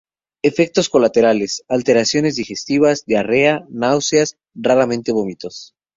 Efectos Colaterales: Alteraciones digestivas: diarrea, náuseas, raramente vómitos.